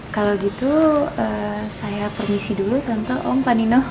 kalau gitu saya permisi dulu tentu om pak nino